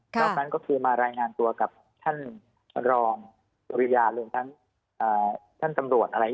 ครอบนั้นก็คือมารายงานตัวกับท่านรองสุริยาหรือท่านสำรวจอะไร